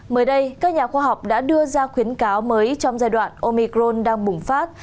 mới đây các nhà khoa học đã đưa ra khuyến cáo mới trong giai đoạn omicron đang bùng phát